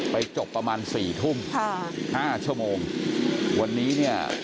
จบประมาณสี่ทุ่มค่ะห้าชั่วโมงวันนี้เนี่ย